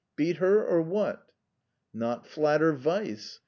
"Beat her or what? "Not flatter vice.